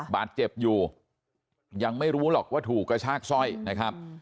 บาดเจ็บอยู่ยังไม่รู้หรอกว่าถูกกระชากสร้อยนะครับ